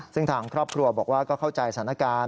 ซึ่งทางครอบครัวบอกว่าก็เข้าใจสถานการณ์